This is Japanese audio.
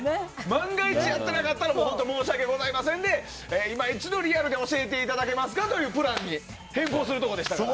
万が一やってなかったら申し訳ございませんで今一度リアルで教えていただけますかというプランに変更するところでしたから。